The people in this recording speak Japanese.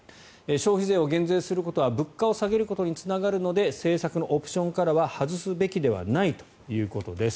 消費税を減税することは物価を下げることにつながるので政策のオプションからは外すべきではないということです。